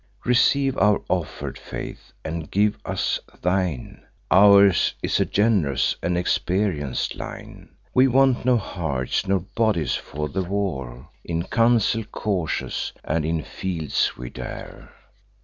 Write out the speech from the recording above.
Receive our offer'd faith, and give us thine; Ours is a gen'rous and experienc'd line: We want not hearts nor bodies for the war; In council cautious, and in fields we dare."